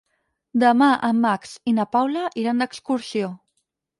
Demà en Max i na Paula iran d'excursió.